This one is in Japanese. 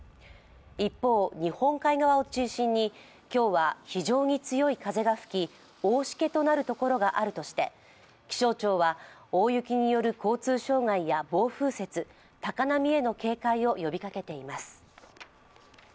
一方、日本海側を中心に今日は非常に強い風が吹き大しけになるところがあるとして気象庁は大雪による交通障害や暴風雪高波への警戒を呼びかけています。